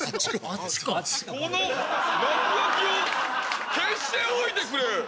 この落書きを消しておいてくれ！